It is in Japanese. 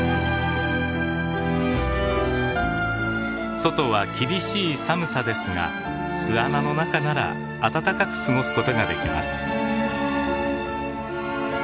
外は厳しい寒さですが巣穴の中なら暖かく過ごすことができます。